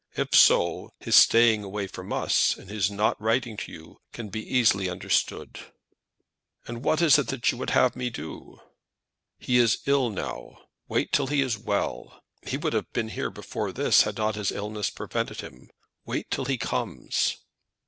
If so, his staying away from us, and his not writing to you, can be easily understood." "And what is it you would have me do?" "He is ill now. Wait till he is well. He would have been here before this, had not illness prevented him. Wait till he comes."